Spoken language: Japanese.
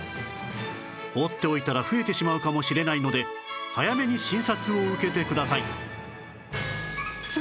放っておいたら増えてしまうかもしれないので早めに診察を受けてください